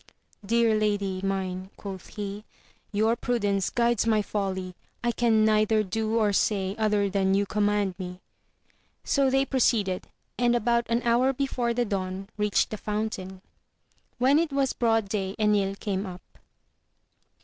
Dear lady, mine, quoth he, your prudence guides my folly : I can neither do or say other than 42 AMADIS OF GAUL you command me : so they proceeded, and about an hour before the dawn reached the fountain. When it was broad day Enil came up.